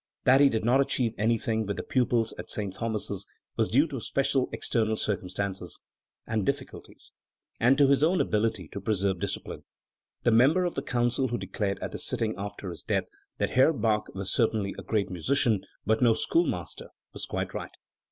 That he did not achieve anything with the pupils at, St. Thomas's was due to special external circumstances and difficulties, and to his own inability to preserve discipline. The member of the Council who declared, at the sitting after his death, that "Herr Bach was certainly a great musician, but no schoolmaster", was quite right.